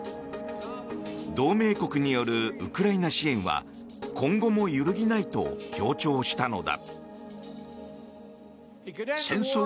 同盟国によるウクライナ支援は今後も揺るぎないと強調したのだ。